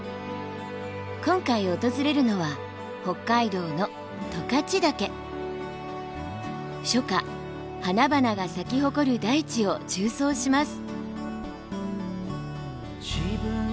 今回訪れるのは北海道の初夏花々が咲き誇る大地を縦走します。